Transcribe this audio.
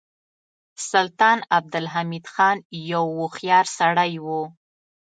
سلطان عبدالحمید خان یو هوښیار سړی و.